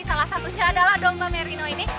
salah satunya adalah domba merino ini